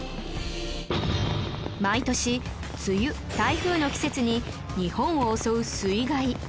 毎年梅雨台風の季節に日本を襲う水害